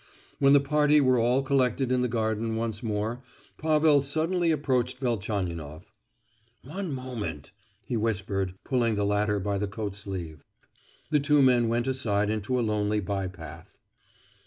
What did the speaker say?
When the party were all collected in the garden once more, Pavel suddenly approached Velchaninoff: "One moment," he whispered, pulling the latter by the coat sleeve. The two men went aside into a lonely by path.